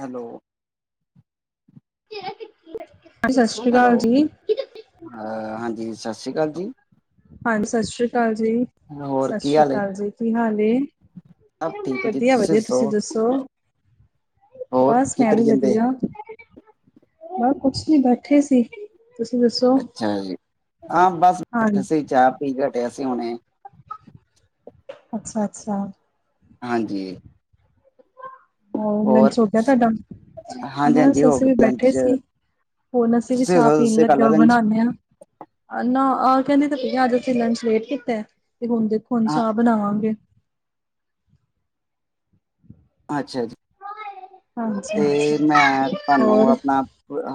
Hello ਹਾਂ ਸਤਿ ਸ੍ਰੀ ਹੈਲੋ ਅਕਾਲ ਜੀ ਅ ਹਾਂਜੀ ਸਤਿ ਸ਼੍ਰੀ ਅਕਾਲ ਜੀ ਹਾਂਜੀ ਸਤਿ ਸ਼੍ਰੀ ਅਕਾਲ ਜੀ ਹੋਰ ਸਤਿ ਕੀ ਸ਼੍ਰੀ ਹਾਲ ਹੈ ਅਕਾਲ ਜੀ ਕੀ ਹਾਲ ਏ ਸਭ ਠੀਕ ਹੈ ਜੀ ਵਧੀਆ ਵਧੀਆ ਤੁਸੀਂ ਦੱਸੋ ਹੋਰ ਬਸ ਕੀ ਮੈਂ ਕਰੀ ਵੀ ਜਾਂਦੇ ਵਧੀਆ ਮ ਕੁਛ ਨੀ ਬੈਠੇ ਸੀ ਤੁਸੀਂ ਦੱਸੋ ਅੱਛਾ ਜੀ ਹਾਂ ਬਸ ਬੈਠਾ ਹਾਂਜੀ ਸੀ ਚਾਹ ਪੀ ਕੇ ਹਟੇ ਸੀ ਹੁਣੇ ਅੱਛਾ ਅੱਛਾ ਹਾਂਜੀ ਹੋਰ ਲੰਚ ਹੋ ਗਿਆ ਤੁਹਾਡਾ ਹਾਂਜੀ ਹਾਂਜੀ ਬਸ ਹੋ ਅਸੀਂ ਵੀ ਗਿਆ ਲੰਚ ਬੈਠੇ ਸੀ ਤੁਸੀਂ ਹੁਣ ਅਸੀਂ ਵੀ ਚਾਹ ਦੱਸੋ, ਪੀਣ ਤੁਸੀਂ ਕਰ ਲੱਗੇ ਲਿਆ ਆਂ ਲੰਚ ਬਣਾਉਂਦੇ ਆਂ ਨਾ ਆਹ ਕਹਿੰਦੇ ਤੇ ਪੇਆ ਅੱਜ ਅਸੀਂ ਲੰਚ ਲੇਟ ਕੀਤਾ ਤੇ ਹੁਣ ਦੇਖੋ ਹੁਣ ਹਾਂ ਚਾਹ ਬਣਾਵਾਂਗੇ ਅੱਛਾ ਜੀ ਹਾਂਜੀ ਤੇ ਹਾਂਜੀ ਮੈਂ ਤੁਹਾਨੂੰ ਹੋਰ ਆਪਣਾ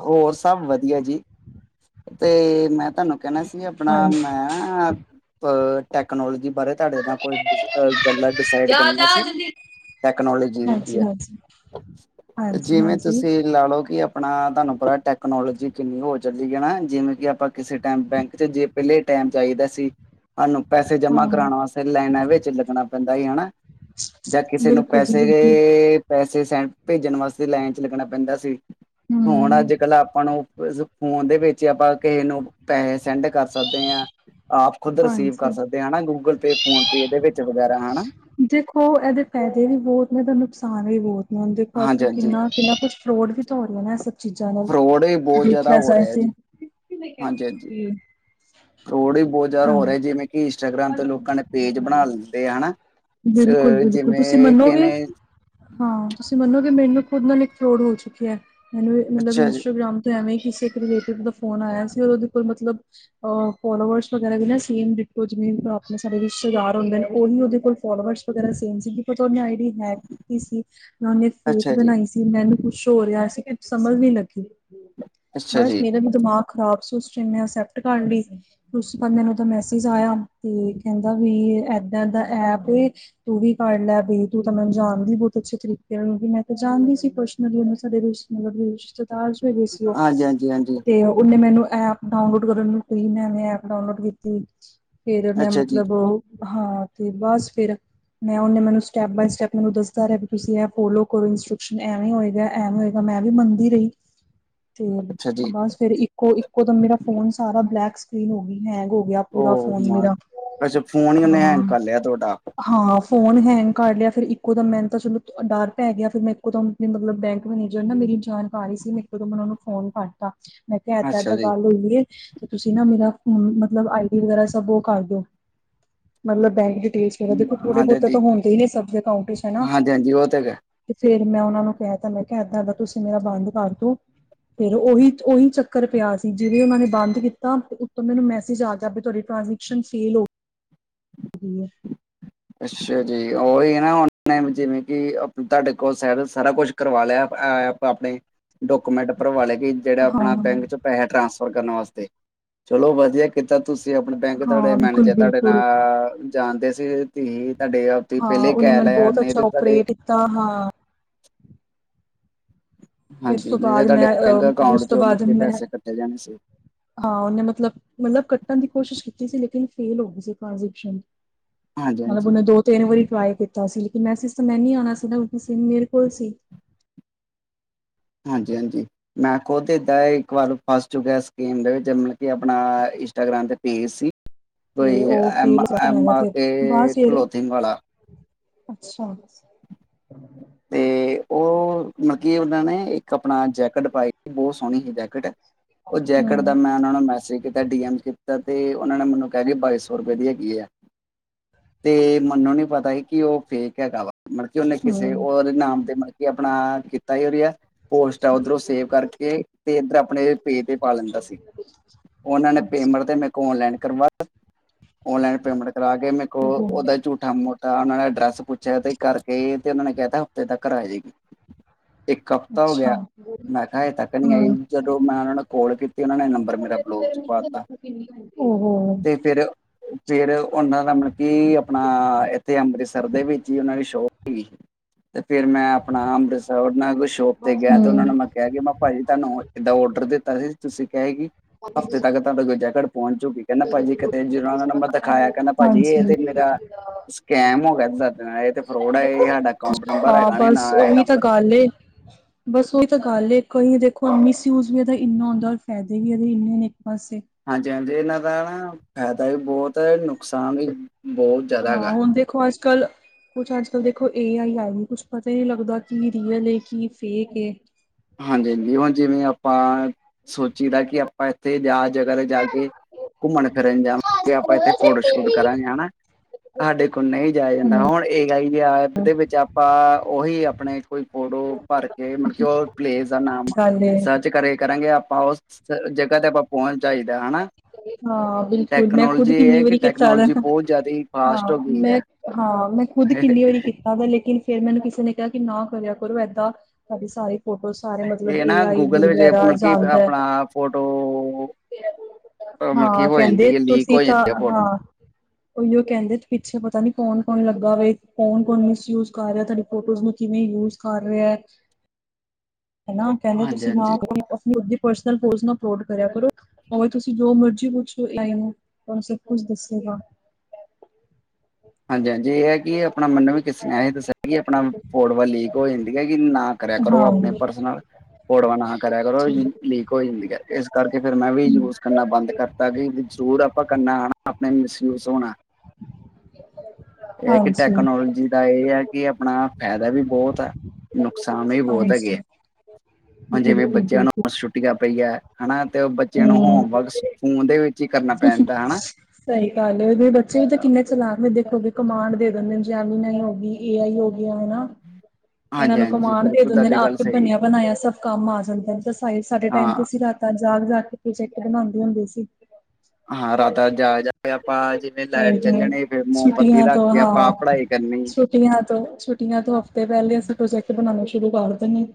ਹੋਰ ਸਭ ਵਧੀਆ ਜੀ ਤੇ ਮੈਂ ਤੁਹਾਨੂੰ ਕਹਿਣਾ ਸੀ ਆਪਣਾ ਮੈਂ ਹਾਂਜੀ ਨਾ ਅ ਟੈਕਨੋਲੋਜੀ ਬਾਰੇ ਤੁਹਾਡੇ ਨਾਲ ਕੋਈ ਗੱਲਾਂ ਡਿਸਾਈਡ ਕਰਨੀਆਂ ਸੀ ਟੈਕਨੋਲੋਜੀ ਦੀ ਹਾਂਜੀ ਹੈ ਹਾਂਜੀ ਤੇ ਹਾਂਜੀ ਜਿਵੇਂ ਹਾਂਜੀ ਤੁਸੀਂ ਲਾ ਲਓ ਕਿ ਆਪਣਾ ਤੁਹਾਨੂੰ ਪਤਾ ਟੈਕਨੋਲੋਜੀ ਕਿੰਨੀ ਹੋ ਚੱਲੀ ਹੈ ਨਾ ਜਿਵੇਂ ਕਿ ਆਪਾਂ ਕਿਸੇ ਟਾਈਮ ਬੈਂਕ ਚ ਜੇ ਵੇਹਲੇ ਟਾਈਮ ਜਾਈਦਾ ਸੀ ਸਾਨੂੰ ਪੈਸੇ ਜਮਾ ਹਾਂ ਕਰਾਉਣ ਵਾਸਤੇ ਲਾਈਨਾਂ ਵਿੱਚ ਲੱਗਣਾ ਪੈਂਦਾ ਸੀ ਹਨਾ ਜਾਂ ਕਿਸੇ ਨੂੰ ਬਿਲਕੁਲ ਜੀ ਪੈਸੇ ਬਿਲਕੁਲ। ਪੈਸੇ ਸ ਭੇਜਣ ਵਾਸਤੇ ਲਾਈਨ ਚ ਲੱਗਣਾ ਪੈਂਦਾ ਸੀ ਹੁਣ ਹੂੰ। ਅੱਜ ਕੱਲ੍ਹ ਆਪਾਂ ਨੂੰ ਫੋਨ ਦੇ ਵਿੱਚ ਆਪਾਂ ਕਿਸੇ ਨੂੰ ਪੈਸੇ ਸੈਂਡ ਕਰ ਸਕਦੇ ਹਾਂ ਆਪ ਖੁਦ ਰਿਸੀਵ ਕਰ ਹਾਂਜੀ। ਸਕਦੇ ਹਨਾ ਗੂਗਲ ਪੇ ਫੋਨ ਪੇ ਇਹਦੇ ਵਿੱਚ ਵਗੈਰਾ ਹਨਾ ਦੇਖੋ ਇਹਦੇ ਫਾਇਦੇ ਵੀ ਬੋਤ ਨੇ ਤਾਂ ਨੁਕਸਾਨ ਵੀ ਬੋਤ ਨੇ ਹੁਣ ਦੇਖੋ ਅੱਜ ਹਾਂਜੀ ਕੱਲ੍ਹ ਹਾਂਜੀ ਕਿੰਨਾ ਕਿਨਾ ਕੁਛ ਫਰੋਡ ਵੀ ਤਾਂ ਹੋ ਰੇਐ ਹੈ ਨਾ ਚੀਜ਼ਾਂ ਨੂੰ ਫਰੋਡ ਵੀ ਬਹੁਤ ਜ਼ਿਆਦਾ ਦੇਖਿਆ ਹੋ ਜਾਏ ਰਿਹਾ ਤੇੇ ਜੀ ਹਾਂਜੀ ਹਾਂਜੀ ਫਰੋਡ ਹੀ ਬੋਤ ਜ਼ਿਆਦਾ ਹੋ ਰਿਹਾ ਜਿਵੇਂ ਕਿ ਇੰਸਟਾਗ੍ਰਾਮ ਤੇ ਲੋਕਾਂ ਨੇ ਪੇਜ ਬਣਾ ਲਿੱਤੇ ਆ ਹਨਾ ਬਿਲਕੁਲ ਅ ਬਿਲਕੁਲ ਤੁਸੀਂ ਜਿਵੇਂ ਮੰਨੋਗੇ ਕਿਨੇ ਹਾਂ ਤੁਸੀਂ ਮੰਨੋ ਗੇ ਕਿ ਮੈਨੂੰ ਖੁਦ ਨਾਲ ਇੱਕ ਫਰੋਡ ਹੋ ਚੁੱਕਿਆ ਹੈ ਮੈਨੂੰ ਮਤਲਬ ਅੱਛਾ ਜੀ ਇੰਸਟਾਗ੍ਰਾਮ ਐਵੇਂ ਕਿਸੇ ਇੱਕ ਰਿਲੇਟਿਵ ਦਾ ਫੋਨ ਆਇਆ ਸੀ ਉਹਦੇ ਕੋਲ ਮਤਲਬ ਅ ਫੋਲੋਵਰਸ ਵਗੈਰਾ ਵੀ ਨਾ ਸੇਮ ਡਿਟੋ ਜਿਵੇਂ ਆਪਣੇ ਸਾਰੇ ਰਿਸ਼ਤੇਦਾਰ ਹੁੰਦੇ ਨੇ ਉਹਹੀ ਉਹਦੇ ਕੋਲ ਫੋਲੋਵਰ ਵਗੈਰਾ ਸੇਮ ਸੀ ਕਿ ਪ ਉਹੇ ਆਈ ਡੀ ਹੈਕ ਕੀਤੀ ਸੀ ਜਾਂ ਉਹਨੇ ਫੇਕ ਅੱਛਾ ਜੀ ਬਣਾਈ ਸੀ ਮੈਨੂੰ ਕੁੱਛ ਹੋ ਰਿਹਾ ਸੀ, ਕਿ ਸਮਝ ਨੀ ਲੱਗੀ ਅੱਛਾ ਬਸ ਜੀ ਮੇਰਾ ਵੀ ਦਿਮਾਗ ਖ਼ਰਾਬ ਸੀ ਉਸ ਟਾਈਮ ਮੈਂ ਅਸੈਪਟ ਕਰ ਲੀ। ਉਸ ਬੰਦੇ ਨੂੰ ਤੇ ਮੈਸੇਜ ਆਇਆ ਤੇ ਕਹਿੰਦਾ ਵੀ ਏਦਾਂ ਏਦਾਂ ਐਪ ਏ ਤੂੰ ਵੀ ਕਰ ਲੈ ਬਈ ਤੂੰ ਤਾਂ ਮੈਨੂੰ ਜਾਨਦੀ ਬਹੁਤ ਅੱਛੇ ਤਰੀਕੇ ਨਾਲ ਵੀ ਮੈਂ ਤਾਂ ਜਾਨਦੀ ਸੀ ਪਰਸਨਲੀ ਉਹਨੂੰ ਸਾਡੇ ਮਤਲਬ ਰਿਸ਼ਤੇਦਾਰ ਜੋ ਹੈਗੇ ਸੀ ਓਹ ਹਾਂਜੀ ਹਾਂਜੀ ਹਾਂਜੀ ਤੇ ਓਨੇ ਮੈਨੂੰ ਐਪ ਡਾਊਨਲੋਡ ਕਰਨ ਨੂੰ ਕਈ, ਮੈਂਨੇ ਐਪ ਡਾਊਨਲੋਡ ਕੀਤੀ। ਫਿਰ ਮੈਂ ਅੱਛਾ ਜੀ ਮਤਲਬ ਉਹ ਹਾਂ ਤੇ ਬਸ ਫਿਰ ਮੈਂ ਉਹਨੇ ਮੈਨੂੰ ਸਟੈਪ ਬਾਏ ਸਟੈਪੈ ਮੈਨੂੰ ਦੱਸ ਰਿਹਾ ਵੀ ਤੁਸੀਂ ਇਹ ਫੋਲੋ ਕਰੋ ਇੰਸਟਰਕਸ਼ਨ। ਐਵੇਂ ਹੋਏਗਾ, ਐਵੇਂ ਹੋਏਗਾ ਮੈਂ ਵੀ ਮੰਨਦੀ ਰਈ। [unintelligible] ਤੇ ਅੱਛਾ ਜੀ ਬਸ ਫਿਰ ਇੱਕੋ ਇੱਕੋ ਬੰਦੇ ਦਾ ਫੋਨ ਸਾਰਾ ਬਲੈਕ ਸਕਰੀਨ ਹੋ ਗਈ, ਹੈਗ ਹੋ ਗਯਾ ਪੂਰਾ ਫੋਨ ਉਹ ਮੇਰਾ ਹਾਂ। ਗਯਾ ਤੁਹਾਡਾ? ਹਾਂ ਫੋਨ ਹੈਂਗ ਕਰ ਲਿਆ ਫਿਰ ਇੱਕੋ ਦਮ ਮੈਨੂੰ ਤਾਂ ਚਲੋ ਡਰ ਪੈ ਗਿਆ ਫਿਰ ਮੈਂ ਇੱਕੋ ਦਮ ਵੀ ਮਤਲਬ ਬੈਂਕ ਮੈਨੇਜਰ ਨਾ ਮੇਰੀ ਜਾਣਕਾਰੀ ਸੀ ਮੈਂ ਇਕੋਦਮ ਓਨਾ ਨੂੰ ਫੋਨ ਕੱਰਤਾ ਮੈਂ ਕਹਿਤਾ ਅੱਛਾ ਏਦਾਂ ਜੀ ਗੱਲ ਹੋਈ ਏ। ਤੁਸੀਂ ਨਾ ਮੇਰਾ ਫੋਨ ਮਤਲਬ ਆਈ ਡ ਵਗੈਰਾ ਸਬ ਉਹ ਕਰ ਦੋ ਮਤਲਬ ਬੈਂਕ ਡਿਟੇਲ ਦੇਖੋ ਥੋੜੇ ਹਾਂਜੀ ਬਹੁਤੇ ਹਾਂਜੀ ਤਾਂ ਹੁੰਦੇ ਹੀ ਨੇ ਸਭ ਦੇ ਅਕਾਊਂਟ ਚ ਹਨਾ ਹਾਂਜੀ ਹਾਂਜੀ ਉਹ ਤੇ ਹੈਗਾ ਤੇ ਫੇਰ ਮੈਂ ਓਨਾਂ ਨੂੰ ਕਹਿ ਤਾ ਮੈਂ ਕਿਯਾ ਏਦਾਂ- ਏਦਾਂ ਤੁਸੀਂ ਮੇਰਾ ਬੰਦ ਕਰਦੋ! ਫੇਰ ਓਹੀ ਓਹੀ ਚੱਕਰ ਪਿਆ ਸੀ ਜਿਵੇਂ ਉਹਨਾਂ ਨੇ ਬੰਦ ਕੀਤਾ ਉੱਤੋਂ ਮੈਨੂੰ ਮੈਸੇਜ ਆ ਗਿਆ ਬਈ ਤੁਹਾਡੀ ਟਰਾਂਜ਼ੈਕਸ਼ਨ ! [unintelligible] ਦੀ ਹੈ। ਅੱਛਾ ਜੀ ਓਹੀ ਅ ਨਾ ਉਹ ਟਾਈਮ ਜ਼ਿੰਦਗੀ ਤੁਹਾਡੇ ਕੋਲ ਸਾਈਡ ਸਾਰਾ ਕੁਛ ਕਰਵਾ ਲਿਆ ਅ ਆਪਣੇ ਡਾਕੂਮੈਂਟ ਭਰਵਾ ਲੇ ਬਈ ਜੈੜਾ ਹਾਂ ਆਪਣਾ ਬੈਂਕ ਚ ਪੈਹਾਂ ਟਰਾਂਸਫਰ ਕਰਨ ਵਾਸਤੇ ਚਲੋ ਵਧੀਆ ਕਿੱਦ। ਤੁਸੀਂ ਆਪਣੇ ਬੈਂਕ ਤੁਹਾਡੇ ਹਾਂ ਬਿਲਕੁਲ ਮੈਨੇਜਰ ਤੁਹਾਡੇ ਬਿਲਕੁਲ ਨਾਲ ਜਾਣਦੇ ਸੀ ਤੁਸੀਂ ਤਾਡੇ ਆ। ਹਾਂ ਓਨੇ ਮੈਨੂੰ ਬਹੁਤ ਅੱਛਾ ਓਪਰੇਟ ਕੀਤਾ ਹਾਂ। ਫਿਰ ਉਸ ਹਾਂਜੀ। ਤੋਂ ਨਈ ਤੇ ਬਾਅਦ ਮੈਂ ਤੁਹਾਡੇ ਅ ਬੈਂਕ ਫਿਰ ਉਸ ਅਕਾਊਂਟ ਤੋਂ ਚੋਂ ਮਤਲਬ ਬਾਅਦ ਕਿ ਮੈਂ ਪੈਸੇ ਕੱਟੇ ਜਾਣੇ ਸੀ। ਹਾਂ ਓਨੇ ਮਤਲਬ-ਮਤਲਬ ਕੱਟਣ ਦੀ ਕੋਸ਼ਿਸ਼ ਕੀਤੀ ਸੀ ਲੇਕਿਨ ਫੇਲ ਹੋ ਗਈ ਸੀ ਟ੍ਰਾਂਜੈਕਸ਼ਨ। ਹਾਂਜੀ ਮਲਬ ਹਾਂਜੀ ਓਨੇ ਦੋ। ਤਿੰਨ ਵਾਰੀ ਟਰਾਈ ਕੀਤਾ ਸੀ। ਲੇਕਿਨ ਮੈਸੇਜ ਤਾਂ ਮੈ ਨੀ ਆਨਾ ਸੀ ਨਾ। ਸਿਮ ਮੇਰੇ ਕੋਲ ਸੀ। ਹਾਂਜੀ-ਹਾਂਜੀ। ਮੈਂ ਖੁਦ ਏਦਾਂ ਇੱਕ ਵਾਰ ਫਸ ਚੁੱਕਿਆ ਸਕੀਮ ਦੇ ਵਿੱਚ ਮਤਲਬ ਕਿ ਆਪਣਾ ਇੰਸਟਾਗ੍ਰਾਮ ਤੇ ਪੇਜ ਸੀ। ਤੇ ਕੋਈ ਉਹ ਫੇਲ ਹੋ ਐਮ-ਐਮ ਗਿਆ ਆ ਫਿਰ ਕੇ ਬਸ ਫਿਰ ਕਲੋਥਿੰਗ ਵਾਲਾ। ਅੱਛਾ। ਤੇ ਉਹ ਮ ਕੀ ਉਹਨਾਂ ਨੇ ਇੱਕ ਆਪਣਾ ਜੈਕਟ ਪਾਈ ਸੀ ਬੋਤ ਸੋਹਨੀ ਸੀ ਜੈਕਟ। ਓ ਜੈਕਟ ਹੂੰ ਦਾ ਮੈਂ ਓਨਾਂ ਨੂੰ ਮੈਸੇਜ ਕੀਤਾ। ਡੀ-ਐਮ ਕੀਤਾ ਤੇ, ਓਨਾਂ ਨੇ ਮੈਨੂੰ ਕੇਹਾ ਬਾਈ- ਸੌ ਰੁਪਏ ਦੀ ਹੈਗੀ ਅ। ਤੇ ਮਨੂੰ ਨੀ ਪਤਾ ਸੀ ਕਿ ਓਹ ਫੇਕ ਹੈਗਾ ਵਾ ਮਲਬ ਕਿ ਓਨੇ ਕਿਸੇ। ਹੂੰ ਓਦੇ ਨਾਮ ਤੇ ਮਤਲਬ ਕੀ ਆਪਣਾ ਕੀਤਾ ਹੀ, ਓਦੀਆ ਪੋਸਟਾ ਓਧਰੋਂ ਸੇਵ ਕਰਕੇ। ਤੇ ਇੱਧਰ ਆਪਣੇ ਪੇਜ ਤੇ ਪਾ ਲੈਂਦਾ ਸੀ। ਓਨਾਂ ਨੇ ਪੇਮੈਂਟ ਤੇ ਮੇਰੇ ਕੋ ਔਨਲਾਈਨ ਕਰਵਾ ਲਈ। Online payment. ਕਰਾ ਕੇ ਮੇਰੇ ਕੋਲ ਓਦਾ ਹੀ ਝੂਠਾ-ਮੂਠਾ ਓਨਾਂ ਨੇ ਐਡਰੈਸ ਪੁੱਛਿਆ ਤੇ ਕਰਕੇ। ਤੇ ਓਨਾਂ ਨੇ ਕਹਿਤਾ ਹਫ਼ਤੇ ਤੱਕ ਕਰ ਆ ਜਾਏਗੀ। ਇੱਕ ਹਫ਼ਤਾ ਹੋ ਅੱਛਾ ਗਿਆ, ਮੈਂ ਕਿਹਾ ਹਜੇ ਤੱਕ ਨਹੀਂ ਆਈ ਹੂੰ ਜਦੋਂ ਮੈਂ ਉਹਨਾਂ ਨੂੰ ਕੋਲ ਕੀਤੀ। 'ਤੇ ਉਨਾਂ ਨੇ ਨੰਬਰ ਮੇਰਾ ਬਲੋਕ 'ਚ ਪਾਤਾ ਓਹੋ ਹੂੰ 'ਤੇ ਫੇਰ ਫਿਰ ਉਨਾਂ ਦਾ ਮਨ ਕੀ ਆਪਣਾ ਇੱਥੇ ਅੰਮ੍ਰਿਤਸਰ ਦੇ ਵਿੱਚ ਈ ਉਨਾਂ ਦੀ ਸ਼ੋਪ ਸੀਗੀ 'ਤੇ ਫੇਰ ਮੈਂ ਆਪਣਾ ਅੰਮ੍ਰਿਤਸਰ ਮੈਂ ਕੋਈ ਸ਼ੋਪ 'ਤੇ ਗਿਆ 'ਤੇ ਉਨਾਂ ਨੂੰ ਮੈਂ ਕਿਹਾ ਕਿ ਮੈਂ ਭਾਜੀ ਤੁਹਾਨੂੰ ਏਡਾ ਔਡਰ ਦਿੱਤਾ ਸੀ ਤੁਸੀਂ ਕੈ ਕਿ ਹਫ਼ਤੇ ਤੱਕ ਤੁਹਾਡੇ ਕੋਲ ਜੈਕਟ ਪਹੁੰਚ ਜੂਗੀ। ਕਹਿੰਦਾ ਭਾਜੀ ਕਿਤੇ ਜਿਨਾ ਨੂੰ ਨਾ ਮੈਂ ਦਿਖਾਇਆ ਕਹਿੰਦਾ ਭਾਜੀ ਏ ਹਾਂਜੀ 'ਤੇ ਮੇਰਾ ਸਕੈਮ ਹੋ ਗਿਆ 'ਤੇ ਸਾਡੇ ਨਾਲ ਏ 'ਤੇ ਫਰੋਡ ਏ ਸਾਡਾ ਅਕਾਊਂਟ ਨੰਬਰ ਹੈਗਾ ਨੀ ਨਾ ਏ ਨੰਬਰ। ਐਨੇ ਬਸ ਉਈ ਤਾਂ ਗੱਲ ਏ ਕਈ ਦੇਖੋ ਮਿਸਯੂਜ ਵੀ ਏਦਾ ਇੰਨਾ ਹੁੰਦਾ, ਫਾਇਦੇ ਵੀ ਏਦੇ ਇੰਨੇ ਨੇ ਇੱਕ ਪਾਸੇ। ਹਾਂਜੀ-ਹਾਂਜੀ ਏਨਾਂ ਦਾ ਨਾ ਫਾਇਦਾ ਵੀ ਬੋਤ ਆ, ਨੁਕਸਾਨ ਵੀ। ਬਹੁਤ ਜ਼ਿਆਦਾ ਹੈਗਾ ਹਾਂ ਹੁਣ ਦੇਖੋ ਅੱਜ-ਕੱਲ ਕੁਛ ਅੱਜ-ਕੱਲ ਦੇਖੋ ਏ ਆਈ, ਆਈ ਏ ਕੁਛ ਪਤਾ ਈ ਨੀ ਲੱਗਦਾ ਕੀ ਰੀਅਲ ਏ, ਕੀ ਫੇਕ ਏ। ਹਾਂਜੀ-ਹਾਂਜੀ ਹੁਣ ਜਿਵੇਂ ਆਪਾਂ ਸੋਚੀਦਾ ਕਿ ਆਪਾਂ ਇੱਥੇ ਜਾਂ ਜਗਾ 'ਤੇ ਜਾ ਕੇ ਘੁੰਮਣ ਫਿਰਨ ਜਾਵਾਂਗੇ ਆਪਾਂ ਇੱਥੇ ਫੋਟੋ ਸ਼ੂਟ ਕਰਾਂਗੇ ਹਨ। ਸਾਡੇ ਕੋਲ ਨਈ ਜਾਇਆ ਜਾਂਦਾ ਹੂੰ ਹੁਣ ਏ ਆਈ ਐਪ ਦੇ ਵਿੱਚ ਆਪਾਂ ਉਹੀ ਆਪਣੇ ਕੋਈ ਫੋਟੋ ਭਰ ਕੇ ਮਤਲਬ ਕੀ ਓ ਪਲੇਸ ਦਾ ਨਾਮ ਗੱਲ ਏ ਸਰਚ ਕਰੇ ਕਰਾਂਗੇ ਆਪਾਂ ਉਸ ਜਗਾ ਦਾ ਆਪਾਂ ਪਹੁੰਚ ਜਾਈਦਾ ਹਨਾ। ਹਾਂ ਬਿਲਕੁੱਲ ਮੈਂ ਖੁਦ ਟੈਕਨੋਲੋਜੀ ਇਹ ਕਿੰਨੀ ਹੈ ਕਿ ਵਾਰੀ ਕੀਤਾ ਦਾ, ਟੈਕਨੋਲੋਜੀ ਬਹੁਤ ਜ਼ਿਆਦਾ ਹੀ ਫਾਸਟ ਹੋ ਹਾਂ ਗਈ ਮੈਂ ਹੈ ਹਾਂ ਮੈਂ ਖੁਦ ਕਿੰਨੀ ਵਾਰੀ ਕੀਤਾ ਦਾ ਲੇਕਿਨ ਫੇਰ ਮੈਨੂੰ ਕਿਸੇ ਨੇ ਕੇਆ ਕਿ ਨਾ ਕਰਿਆ ਕਰੋ ਐਦਾਂ ਤੁਹਾਡੀ ਸਾਰੀ ਫੋਟੋ ਸਾਰੇ ਮਤਲਬ ਇਹ ਏ ਨਾ ਆਈ ਗੂਗਲ ਵਿੱਚ ਵਗੈਰਾ ਮਤਲਬ ਜਾਣਦਾ ਐ। ਅ ਮਤਲਬ ਕੀ ਵੋ ਜਾਂਦੀ ਏ ਲੀਕ ਤੁਸੀਂ ਹੋ ਤਾਂ ਜਾਂਦੀ ਆ ਹਾਂ ਫ਼ੋਟੋਆਂ। ਉਹੀਓ ਕਹਿੰਦੇ ਪਿੱਛੇ ਪਤਾ ਨੀ ਕੌਣ-ਕੌਣ ਲੱਗਾ ਵੇ, ਕੌਣ-ਕੌਣ ਮਿਸਯੂਜ ਕਰ ਰਿਹਾ ਤੁਹਾਡੀ ਫੋਟੋਜ਼ ਨੂੰ ਕਿਵੇਂ ਯੂਜ ਕਰ ਰੇ ਐ। ਹਨਾ ਕਹਿੰਦੇ ਹਾਂਜੀ ਤੁਸੀਂ ਨਾ ਹਾਂਜੀ ਆਪਦੀ ਪਰਸਨਲ ਹੋਗੀ, ਪਰਸਨਲ ਪੋਸ ਨਾ ਅਪਲੋਡ ਕਰਿਆ ਕਰੋ। ਭਾਵੇਂ ਤੁਸੀਂ ਜੋ ਮਰਜ਼ੀ ਪੁੱਛੋ ਲਾ ਏਨੂੰ ਤੁਹਾਨੂੰ ਸਭ ਕੁਛ ਦੱਸੇਗਾ। ਹਾਂਜੀ-ਹਾਂਜੀ ਏ ਐ ਕਿ ਆਪਣਾ ਮੈਨੂੰ ਵੀ ਕਿਸੇ ਨੇ ਐ ਦੱਸਿਆ ਕਿ ਆਪਣਾ ਫੋਟੋਆਂ ਲੀਕ ਹੋ ਜਾਂਦੀ ਐਗੀ ਨਾ ਕਰਿਆ ਕਰੋ ਆ ਹਾਂ ਪਣੇ ਪਰਸਨਲ ਫੋਟੋਆ ਨਾ ਕਰਿਆ ਕਰੋ ਜੀ ਲੀਕ ਹੋ ਜਾਂਦੀ ਐ ਇਸ ਕਰਕੇ ਫਿਰ ਮੈਂ ਵੀ ਯੂਜ ਕਰਨਾ ਬੰਦ ਕਰਤਾ ਗੀ ਵੀ ਜਰੂਰ ਆਪਾਂ ਕਰਨਾ ਅਨਾ ਆਪਣੇ ਮਿਸ ਯੂਜ ਹੋਣਾ। ਏ ਕਿ ਹਾਂਜੀ ਟੈਕਨੋਲੋਜੀ ਦਾ ਏ ਐ ਕਿ ਆਪਣਾ ਫਾਇਦਾ ਵੀ ਬੋਤ ਐ ਨੁਕਸਾਨ ਵੀ ਬੋਤ ਹੈਗੇ ਐ। ਹਾਂਜੀ ਹੁਣ ਜਿਵੇਂ ਬਿਲਕੁਲ ਬੱਚਿਆਂ ਬਿਲਕੁਲ ਨੂੰ ਛੁੱ ਟੀਆਂ ਪਈਆ ਹਨਾ 'ਤੇ ਓ ਬੱਚਿਆਂ ਨੂੰ ਹਮ ਹੋਮਵਰਕ ਫੋਨ ਦੇ ਵਿੱਚ ਈ ਕਰਨਾ ਪੈ ਜਾਂਦਾ ਹਨਾ। ਸਈ ਗੱਲ ਏ ਉਦੇ ਬੱਚੇ ਵੀ ਤਾਂ ਕਿੰਨੇ ਚਲਾਕ ਨੇ ਦੇਖੋਗੇ ਕਮਾਂਡ ਦੇ ਦਿੰਦੇ ਜੈਮਨੀ ਈ ਹੋਗੀ ਏ ਆਈ ਹੋ ਗਿਆ ਹਨਾ। [inaudible] ਏਨਾਂ ਨੂੰ ਹਾਂਜੀ-ਹਾਂਜੀ ਕਮਾਂਡ ਦੇ ਬਿਲਕੁਲ ਦਿੰਦੇ ਨੇ ਤੁਹਾਡੀ ਗੱਲ ਆਪੇ ਸਹੀ ਹੈ ਬਣਿਆ ਬਣਾਇਆ ਸਭ ਕੰਮ ਆ ਜਾਂਦਾ 'ਤੇ ਸਾ ਸਾਡੇ ਟਾਈਮ ਹਾਂ 'ਤੇ ਸੀ ਰਾ ਤਾਂ ਜਾਗ-ਜਾਗ ਕੇ ਪ੍ਰੋਜੈਕਟ ਬਣਾਂਦੇ ਹੁੰਦੇ ਸੀ। ਹਾਂ ਰਾਤਾਂ ਜਾਗ ਜਾ ਆਪਾਂ ਜਿਵੇਂ ਲਾਈਟ ਸਹੀ ਚੱਲ ਗੱਲ ਜਾਣੀ ਫਿਰ ਮੋਮਬੱਤੀ ਛੁੱਟੀਆਂ ਰੱਖ ਤੋਂ ਕੇ ਆਪਾਂ ਹਾਂ ਪੜਾਈ ਕਰਨੀ। ਛੁੱਟੀਆਂ ਤੋਂ ਛੁੱਟੀਆਂ ਤੋਂ ਹਫ਼ਤੇ ਪਹਿਲੇ ਅਸੀਂ ਪ੍ਰੋਜੈਕਟ ਬਣਾਉਣਾ ਸ਼ੁਰੂ ਕਰ ਦੇਣੇ।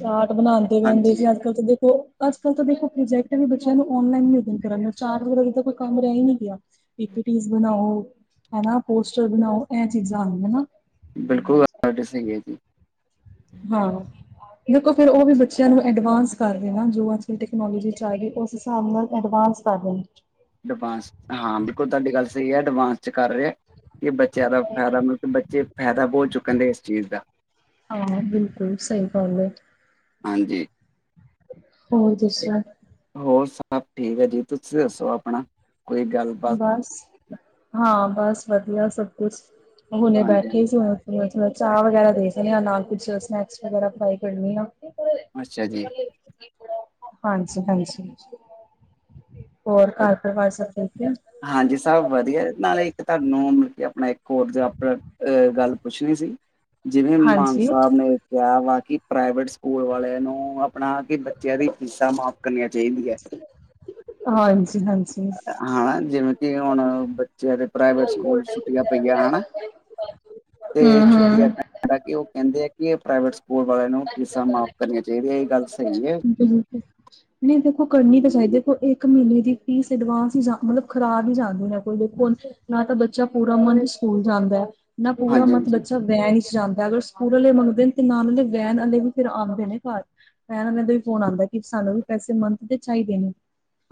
ਚਾਟ ਬਣਾਂਦੇ ਬੈਦੇ ਹਾਂਜੀ ਸੀ ਅੱਜ-ਕੱਲ ਤਾਂ ਦੇਖੋ ਅੱਜ-ਕੱਲ ਤਾਂ ਦੇਖੋ ਪ੍ਰੋਜੈਕਟ ਵੀ ਬੱਚਿਆਂ ਨੂੰ ਓਨਲਾਈਨ ਹੀ ਉਦਨ ਕਰਨ ਵਸ ਚਾਟ ਵਗ਼ੈਰਾ ਦਾ ਤਾਂ ਕੋਈ ਕੰਮ ਰੇ ਈ ਨੀ ਗਿਆ, ਪੀ ਪੀ ਟੀਜ ਬਣਾਓ ਹਨਾ ਪੋਸਟਰ ਬਣਾਓ ਐ ਚੀਜ਼ਾਂ ਆਈਆਂ। ਬਿਲਕੁੱਲ ਆਰਟਿਸ ਹੈਗੇ ਜੀ। ਹਾਂ। ਦੇਖੋ ਫਿਰ ਓ ਵੀ ਬੱਚਿਆਂ ਨੂੰ ਐਡਵਾਂਸ ਕਰ ਰੇ ਨਾ ਜੋ ਅੱਜ-ਕੱਲ ਟੈਕਨੋਲੋਜੀ 'ਚ ਆ ਗੇ ਉਸ ਹਿਸਾਬ ਨਾਲ ਐਡਵਾਂਸ ਪਾ ਦੇਣ ਵਿਚ ਐਡਵਾਂਸ, ਹਾਂ ਬਿਲਕੁਲ ਤਾਡੀ ਗੱਲ ਸਹੀ ਐ ਐਡਵਾਂਸ ਚ ਕਰ ਰੈਆ। ਕਿ ਬੱਚਿਆਂ ਦਾ ਫੈਦਾ ਮਤ ਬੱਚੇ ਫੈਦਾ ਬਹੁ ਚੁੱਕਣ ਦੇ ਏਸ ਚੀਜ਼ ਦਾ। ਆਹੋ ਬਿਲਕੁਲ ਸਹੀ ਗੱਲ ਏ। ਹਾਂਜੀ। ਹੋਰ ਦੱਸੋ ਹੋਰ ਸਭ ਠੀਕ ਐ ਜੀ, ਤੁਸੀਂ ਦੱਸੋ ਆਪਣਾ ਕੋਈ ਗੱਲ? ਬਸ, ਹਾਂ ਬਸ ਵਧੀਆ ਸਭ ਕੁਛ, ਹੁਣੇ ਹਾਂਜੀ ਬੈਠੀ ਹਾਂਜੀ ਸੀ ਹੁ ਨ ਥੋੜਾ ਚਾਹ ਵਗੈਰਾ ਦੇਖ ਰੀ ਆ ਨਾਲ ਕੁਛ ਸਨੈਕਸ ਵਗੈਰਾ ਫਰਾਈ ਕਰਨੀ ਆ। ਅੱਛਾ ਜੀ। ਹਾਂਜੀ-ਹਾਂਜੀ, ਹੋਰ ਅ- ਘਰ ਪਰਵਾਰ ਸਭ ਠੀਕ ਏ? ਹਾਂਜੀ ਸਭ ਵਧੀਆ, ਨਾਲੇ ਇੱਕ ਤਾਨੂੰ ਮਲਬ ਕੀ ਆਪਣਾ ਹੋਰ ਜਾ ਫੇਰ ਏ ਗੱਲ ਪੁੱਛਣੀ ਸੀ ਜਿਵੇਂ ਮਾਨ ਸਾਬ ਨੇ ਕਿਹਾ ਵਾ ਕੀ ਪ੍ਰਾਈਵੇਟ ਸਕੂਲ ਵਾਲਿਆਂ ਨੂੰ ਆਪਣਾ ਕਿ ਬੱਚਿਆਂ ਦੀ ਫੀਸਾਂ ਮਾਫ਼ ਕਰਨੀਆਂ ਚਾਈਦੀਆਂ। ਹਾਂਜੀ-ਹਾਂਜੀ। ਹਾ ਜਿਵੇਂ ਕਿ ਹੁਣ ਬੱਚਿਆਂ ਦੇ ਪ੍ਰਾਈਵੇਟ ਸਕੂਲ ਚ ਛੁੱਟੀਆਂ ਪਈਆ, ਹਨਾ? ਤੇ ਛੁੱਟੀਆਂ ਪ ਹਾਲਾਂਕਿ ਓ ਕਹਿੰਦੇ ਆ ਕਿ ਏ ਪ੍ਰਾਈਵੇਟ ਸਕੂਲ ਵਾਲਿਆਂ ਨੂੰ ਫੀਸਾਂ ਮਾਫ਼ ਕਰਨੀਆਂ ਚਾਈਦੀਆਂ ਏਅ ਗੱਲ ਸਹੀ ਏ। ਬਿਲਕੁਲ। ਨ‌ਈ ਦੇਖੋ ਕਰਨੀ ਤਾਂ ਚਾਈਦੀ ਏ ਦੇਖੋ ਇੱਕ ਮੀਨੇ ਦੀ ਫੀਸ ਅਡਵਾਂਸ ਹੀ ਮਤਲਬ ਖਰਾਬ ਈ ਜਾਂਦੀ ਆ ਕੋਈ ਦੇਖੋ ਹੁਣ ਨਾ ਤਾਂ ਬੱਚਾ ਪੂਰਾ ਮੰਥ ਸਕੂਲ ਜਾਂਦਾ ਐ ਨਾ ਪੂਰਾ ਹਾਂਜੀ ਮੰਥ ਹਾਂਜੀ ਬੱਚਾ ਵੈਨ ਚ‌ ਜਾਂਦਾ ਅਗਰ ਸਕੂਲ ਆਲੇ ਮੰਗਦੇ ਨੇ ਤੇ ਨਾਲ ਓਦੇ ਵੈਨ ਆਲੇ ਵੀ ਫੇਰ ਆਦੇ ਨੇ ਘਰ ਵੈਨ ਆਲੇ ਦੇ ਫੋਨ ਆਦਾ ਕਿ ਸਾਨੂੰ ਵੀ ਪੈਸੇ ਮੰਥ ਦੇ ਚਾਈਦੇ ਨੇ।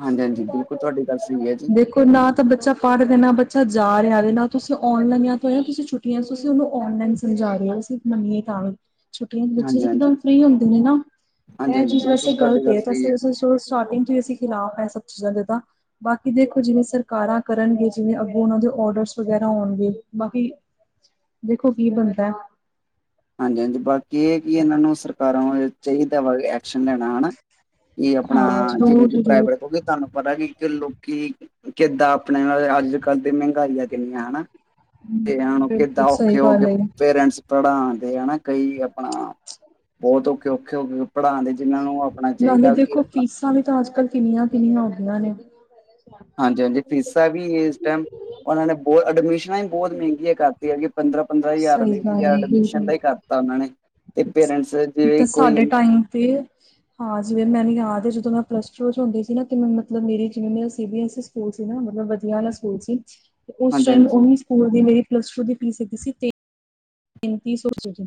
ਹਾਂਜੀ-ਹਾਂਜੀ ਬਿਲਕੁਲ ਤੁਹਾਡੀ ਗੱਲ ਸਹੀ ਆ ਜੀ। ਤੇ ਨਾ ਤਾਂ ਬੱਚਾ ਪੜ ਰੇਆ ਨਾ ਬੱਚਾ ਜਾ ਰੇਆ ਵੇ ਨਾ ਤੁਸੀਂ ਆਉਣ [unintelligible] ਤੇ ਤੁਸੀਂ ਛੁੱ ਛੀ ਤੁਸੀਂ ਓਨੂੰ ਔਨਲਾਈਨ ਸਮਝਾ ਰਹੇ ਓ ਅਸੀਂ ਮੰਨੀਏ ਤਾਂ ਵੀ ਛੁੱਟੀਆਂ ਚ ਬੱਚੇ ਹਾਂਜੀ ਹਾਂਜੀ ਇੱਕਦਮ ਫਰੀ ਹੁੰਦੇ ਨੇ ਨਾ। ਹਾਂਜੀ ਇਹ ਹਾਂਜੀ ਚੀਜ਼ ਵੈਸੇ ਬਿਲਕੁਲ ਤੁਹਾਡੀ ਗਲਤ ਗੱਲ ਏ ਤਾਂ ਸਹੀ ਹੈ ਅਸੀ ਸਟਾਰਟਿੰਗ ਤੋਂ ਈ ਅਸੀਂ ਖਿਲਾਫ਼ ਆ ਏਹ ਸਭ ਚੀਜ਼ਾਂ ਦੇ ਤਾਂ। ਬਾਕੀ ਦੇਖੋ ਜਿਵੇਂ ਸਰਕਾਰਾਂ ਕਰਨਗੇ ਜਿਵੇਂ ਅੱਗੋਂ ਓਨਾਂ ਦੇ ਓਡਰਸ ਵਗੈਰਾ ਆਉਣਗੇ ਬਾਕੀ ਦੇਖੋ ਕੀ ਬੰਨਦੈ। ਹਾਂਜੀ-ਹਾਂਜੀ, ਬਾਕੀ ਏਹ ਕੀ ਏਨਾਂ ਨੂੰ ਸਰਕਾਰਾਂ ਨੂੰ ਚਾਈਦਾ ਵਾ ਐਕਸ਼ਨ ਲੈਣਾ, ਹਨਾ? ਕਿ ਆਪਣਾ ਹਾਂ ਜਿਵੇਂ ਜ਼ਰੂਰ ਕਿ ਜ਼ਰੂਰ ਪ੍ਰਾਈਵੇਟ ਹੋਗੇ ਤਾਨੂੰ ਪਤਾ ਕਿ ਇੱਕ ਲੋਕੀ ਕਿਦਾਂ ਆਪਣੇ ਨਾਲ ਅੱਜ-ਕੱਲ ਦੀ ਮਹਿੰਗਾਈਆਂ ਕਿੰਨੀਆਂ ਹਨਾ। ਤੇ ਏਨਾਂ ਨੂੰ ਕਿਦਾਂ ਬਿਲਕੁਲ ਸਹੀ ਔਖੇ ਹੋ ਕੇ ਗੱਲ ਹੈ ਪੇਰੈਂਟਸ ਪੜਾਦੇ ਆ ਨਾ ਕਈ ਆਪਣਾ ਬਹੁਤ ਔਖੇ-ਔਖੇ ਹੋ ਕੇ ਪੜਾ ਦੇ ਜਿਨਾਂ ਨੂੰ ਓ ਆਪਣਾ ਚਾਈਦਾ ਕਿ ਆਪਣਾ ਤਾਂਹੀ ਤਾਂ ਅੱਜ-ਕੱਲ ਕਿੰਨੀਆਂ-ਕਿੰਨੀਆਂ ਹੋ ਗੀਆ ਨੇ। ਹਾਂਜੀ-ਹਾਂਜੀ ਫੀਸਾਂ ਵੀ ਏਸ ਟੈਮ ਓਨਾਂ ਨੇ ਬਹੁਤ ਅਡਮਿਸ਼ਨਾਂ ਵੀ ਬਹੁਤ ਮਹਿੰਗੀਆਂ ਕਰ ਪੰਦਰਾਂ-ਪੰਦਰਾਂ ਹਜ਼ਾਰ ਸਹੀ ਵੀਹ-ਵੀਹ ਗੱਲ ਹਜ਼ਾਰ ਏ ਐਡਮਿਸ਼ਨ ਬਿਲਕੁਲ ਦਾ ਈ ਕਰਤਾ ਓਨਾਂ ਨੇ ਤੇ ਪੇਰੈਂਟਸ ਜਿਵੇਂ ਤਾਂ ਕੋਈ ਸਾਡੇ ਟਾਈਮ ਤੇ ਹਾਂ ਜਿਵੇ ਮੈਨੂੰ ਯਾਦ ਆ ਜਦੋਂ ਮੈਂ ਪਲੱਸ-ਟੂ ਚ ਹੁੰਦੀ ਸੀ ਨਾ ਤੇ ਮੈਂ ਮਤਲਬ ਮੇਰੀ ਜਿਵੇਂ ਮੈਂ ਸੀ ਬੀ ਐ ਸੀ ਸਕੂਲ ਸੀ ਨਾ ਮਤਲਬ ਵਧੀਆ ਆਲਾ ਸਕੂਲ ਸੀ। ਉਸ ਹਾਂਜੀ ਟਾਈਮ ਹਾਂਜੀ ਓਹੀ ਸਕੂਲ ਦੀ ਮੇਰੀ ਪਲੱਸ-ਟੂ ਦੀ ਫੀਸ‌ ਹੈਗੀ ਸੀ ਤੇ ਤੇੈਂਤੀ ਸੌ ਸੀ ਓਦੋਂ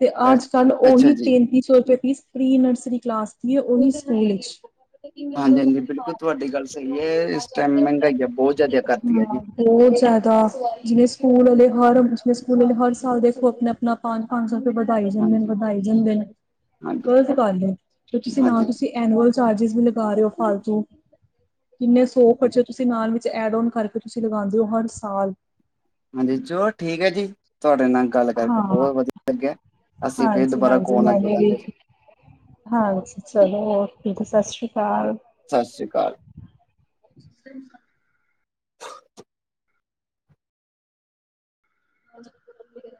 ਤੇ ਅ- ਅੱਜ-ਕੱਲ ਅੱਛਾ ਓਹੀ ਜੀ ਤੇੈਂਤੀ ਸੌ ਰੁਪਏ ਫੀਸ ਪ੍ਰੀ ਨਰਸਰੀ ਕਲਾਸ ਦੀ ਐ ਓਹੀ ਸਕੂਲ ਵਿੱਚ। [unintelligible] ਹਾਂਜੀ ਹਾਂਜੀ ਬਿਲਕੁਲ ਤੁਹਾਡੀ ਗੱਲ ਸਹੀ ਹੈ ਇਸ ਟਾਈਮ ਮਹਿੰਗਾਈ ਆ ਬਹੁਤ ਜ਼ਿਆਦਾ ਕਰਤੀ ਹੈ ਜੀ ਹਾਂ। ਬਹੁਤ ਜ਼ਿਆਦਾ ਜਿਵੇਂ ਸਕੂਲ਼ ਵਾਲੇ ਹਰ ਦੂਸਰੇ ਸਕੂਲ਼ ਵਾਲੇ ਹਰ ਸਾਲ ਦੇਖੋ ਆਪਣਾਂ -ਆਪਣਾਂ ਪੰਜ ਸੌੁ ਰੁਪਏ ਬ ਵਧਾਈ ਜਾਂਦੇ ਨੇ ਹਾਂਜੀ ਵਧਾਈ ਜਾਂਦੇ ਨੇ ਹਾਂਜੀ ਗਲਤ ਗੱਲ ਏਂ, ਤੇ ਤੁਸੀਂ ਨਾ ਹਾਂਜੀ ਤੁਸੀਂ ਐਨੂਅਲ ਚਾਰਜਿਸ ਵੀ ਲਗਾ ਰਹੇ ਹੋ ਫਾਲਤੂ, ਕਿੰਨੇਂ ਸੌ ਹਾਂ- ਖਰਚੇ ਤੁਸੀਂ ਨਾਲ ਵੀ ਐਡ ਓਨ ਕਰਕੇ ਤੁਸੀਂ ਲਗਾਦੇ ੲੌ ਹਰ ਸਾਲ ਹਾਂਜੀ ਚਲੋ ਠੀਕ ਐ ਜੀ, ਤੁਹਾਡੇ ਨਾਲ ਗੱਲ ਕਰਕੇ ਹਾਂ ਬਹੁਤ ਵਧੀਆਂ ਲੱਗਿਆਂ। ਅਸੀਂ ਫਿਰ ਹਾਂਜੀ ਦੁਬਾਰਾ ਹਾਂਜੀ ਕੌਣ ਨਾਲ ਮੈਨੇ ਵੀ ਜੁੜਾਂਗੇ ਜੀ। ਹਾਂਜੀ ਠੀਕ, ਚਲੋਂ ਹੋਰ ਦੀਦੀ ਸਤਿ ਸ਼੍ਰੀ ਅਕਾਲ। ਸਤਿ ਸ੍ਰੀ ਅਕਾਲ। [inaudible] [unintelligible]